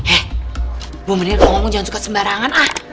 eh bu menil lo ngomong jangan suka sembarangan ah